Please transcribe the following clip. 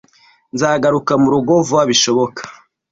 Nzagaruka murugo vuba bishoboka.